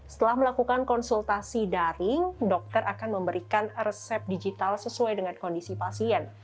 setelah melakukan konsultasi daring dokter akan memberikan resep digital sesuai dengan kondisi pasien